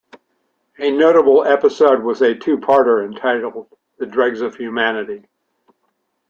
A notable episode was a two-parter entitled "The Dregs of Humanity".